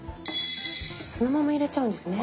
そのまま入れちゃうんですね。